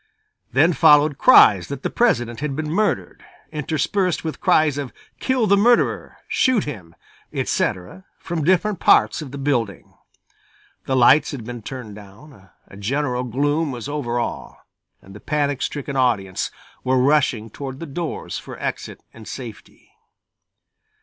Then followed cries that the President had been murdered, interspersed with cries of "Kill the murderer!" "Shoot him!" etc., from different parts of the building. The lights had been turned down, a general gloom was over all, and the panic stricken audience were rushing toward the doors for exit and safety.